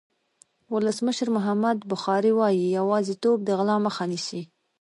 ولسمشر محمد بخاري وایي یوازېتوب د غلا مخه نیسي.